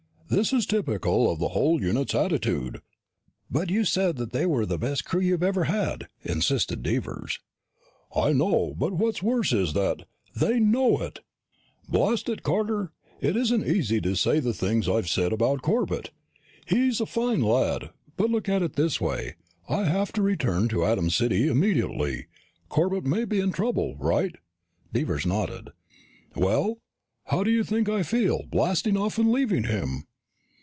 This is typical of the whole unit's attitude." "But you said that they were the best crew you ever had," insisted Devers. "I know, but what's worse is that they know it! Blast it, Carter, it isn't easy to say the things I've said about Corbett! He's a fine lad. But look at it this way. I have to return to Atom City immediately. Corbett may be in trouble, right?" Devers nodded. "Well, how do you think I feel, blasting off and leaving him?"